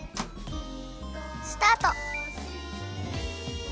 スタート！